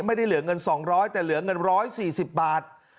ไม่ได้เหลือเงิน๒๐๐แต่เหลือเงิน๑๔๐บาท